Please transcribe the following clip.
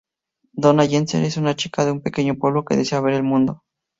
Donna Jensen es una chica de un pequeño pueblo que desea ver el mundo.